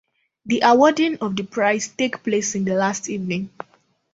The awarding of the prize take place in the last evening.